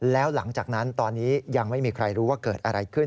แล้วหลังจากนั้นตอนนี้ยังไม่มีใครรู้ว่าเกิดอะไรขึ้น